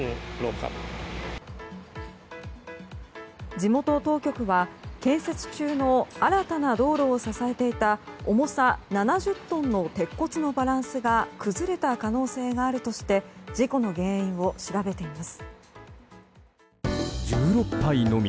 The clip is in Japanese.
地元当局は建設中の新たな道路を支えていた重さ７０トンの鉄骨のバランスが崩れた可能性があるとして事故の原因を調べています。